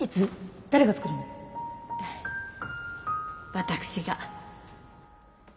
私が。